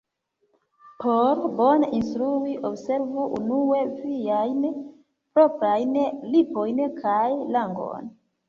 Por bone instrui, observu unue viajn proprajn lipojn kaj langon.